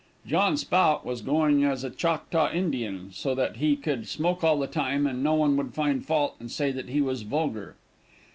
John Spout was going as a Choctaw Indian, so that he could smoke all the time and no one would find fault and say that he was vulgar.